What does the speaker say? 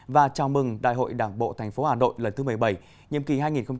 và chào mừng đại hội đảng bộ tp hà nội lần thứ một mươi bảy nhiệm kỳ hai nghìn hai mươi hai nghìn hai mươi năm